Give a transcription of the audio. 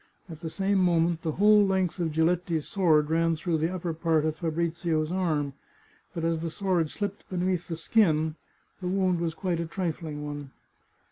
At the same moment the whole length of Giletti's sword ran through the upper part of Fabrizio's arm, but as the sword slipped beneath the skin the wound was quite a trifling one.